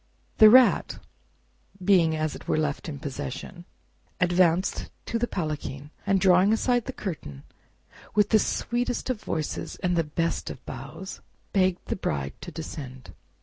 The Rat, being as it were left in possession, advanced to the palanquin, and drawing aside the curtain, with the sweetest of voices and best of bows begged the Bride to descend.